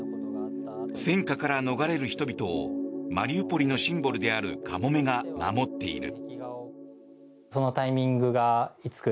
戦火から逃れる人々をマリウポリのシンボルであるカモメが守っている。